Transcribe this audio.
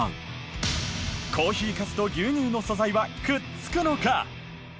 コーヒーかすと牛乳の素材はくっつくのか？